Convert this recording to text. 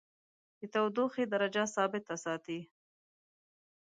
د تودیخي درجه ثابته ساتي.